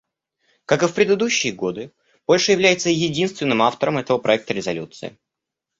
Как и в предыдущие годы, Польша является единственным автором этого проекта резолюции.